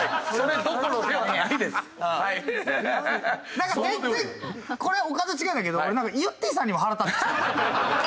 なんか全然これお門違いだけど俺なんかゆってぃさんにも腹立ってきた。